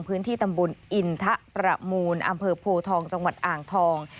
พื้นที่ตำบลอินทะประมูลอำเภอโพทองจังหวัดอ่างทอง